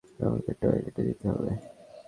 আমাকে টয়লেটে যেতে হবে।